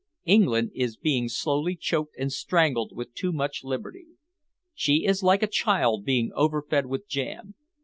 England is being slowly choked and strangled with too much liberty. She is like a child being overfed with jam.